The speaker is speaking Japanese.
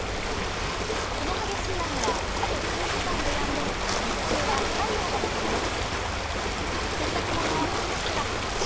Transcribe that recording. この激しい雨はあと数時間でやんで日中は太陽が戻ります。